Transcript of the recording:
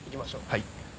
はい。